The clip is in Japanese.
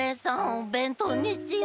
おべんとうにしよう。